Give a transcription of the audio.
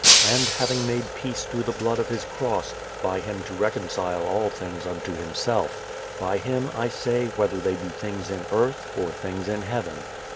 "And having made peace through the blood of his cross, by him to reconcile all things unto himself; by him, I say, whether they be things in earth, or things in heaven."